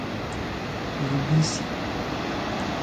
Urubici